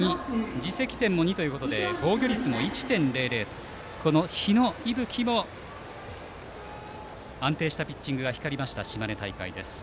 自責点も２ということで防御率は１．００とこの日野勇吹も安定したピッチングが光りました島根大会です。